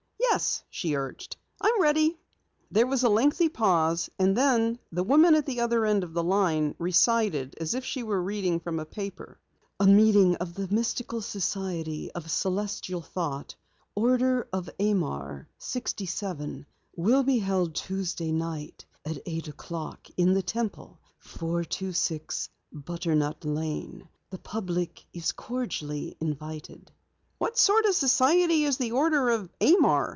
"Yes," she urged, "I am ready." There was a lengthy pause, and then the woman at the other end of the line recited as if she were reading from a paper: "'A meeting of the Mystical Society of Celestial Thought, Order of Amar, 67, will be held Tuesday night at eight o'clock in the Temple, 426 Butternut Lane. The public is cordially invited.'" "What sort of society is the Order of Amar?"